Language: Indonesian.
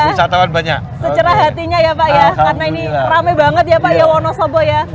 secara hatinya ya pak ya karena ini rame banget ya pak ya wonosobo ya